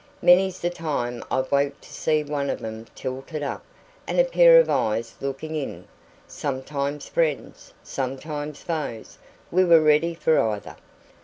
Many's the time I've woke to see one of 'em tilted up, and a pair of eyes looking in sometimes friends, sometimes foes; we were ready for either.